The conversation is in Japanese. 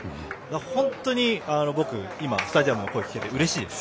本当に僕、今、スタジアムの声を聞けてうれしいです。